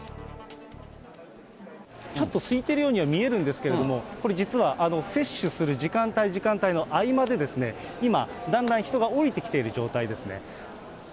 ちょっと空いてるようには見えるんですけれども、これ実は、接種する時間帯、時間帯の合間で、今、だんだん人が下りてきている状態ですね。